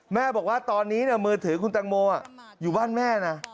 แม่บอกว่าตอนนี้มือถือคุณตังโมอยู่บ้านแม่นะ